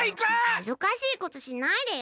はずかしいことしないでよ。